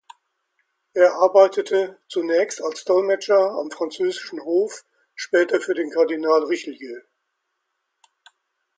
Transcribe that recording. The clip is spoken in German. Er arbeitete zunächst als Dolmetscher am französischen Hof, später für den Kardinal Richelieu.